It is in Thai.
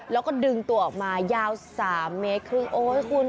แล้วก็ดึงตัวออกมายาว๓เมตรครึ่งโอ้ยคุณ